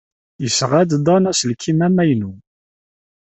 Yesɣa-d Dan aselkim amaynu.